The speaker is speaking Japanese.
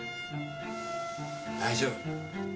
大丈夫。